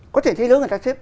có thể thế giới người ta xếp